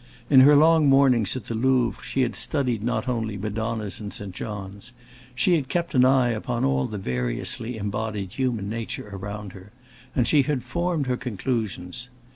In her long mornings at the Louvre she had not only studied Madonnas and St. Johns; she had kept an eye upon all the variously embodied human nature around her, and she had formed her conclusions.